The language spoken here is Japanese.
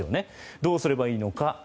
どうすればいいのか。